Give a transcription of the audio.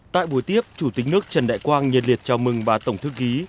tại buổi tiếp chủ tịch nước trần đại quang nhiệt liệt chào mừng bà tổng thư ký